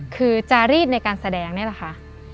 คือจารีดในการแสดงนี่แหละค่ะ